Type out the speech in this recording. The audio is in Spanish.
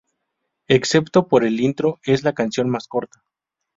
Excepto por el intro es la canción más corta.